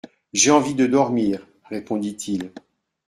J'ai envie de dormir, répondit-il.